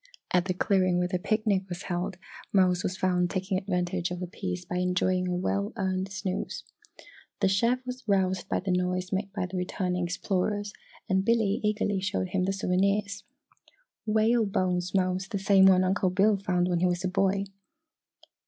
At the clearing where the picnic was held, Mose was found taking advantage of the peace by enjoying a well earned snooze. The chef was roused by the noise made by the returning explorers and Billy eagerly showed him the souvenirs. "Whale bones, Mose the same one Uncle Bill found when he was a boy."